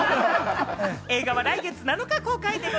映画は来月７日公開です。